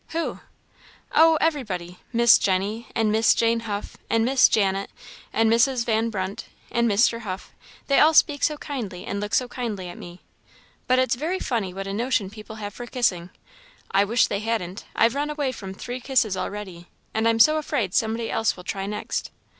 "Who?" "Oh, everybody Miss Jenny, and Miss Jane Huff, and Miss Janet, and Mrs. Van Brunt, and Mr. Huff they all speak so kindly, and look so kindly at me. But it's very funny what a notion people have for kissing I wish they hadn't I've run away from three kisses already, and I'm so afraid somebody else will try next."